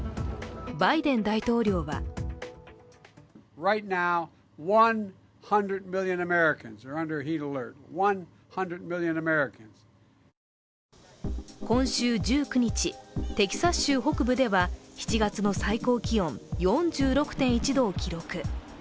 バイデン大統領は今週１９日、テキサス州北部では７月の最高気温４６．１度を記録。